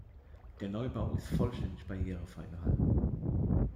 Der Neubau ist vollständig barrierefrei gehalten.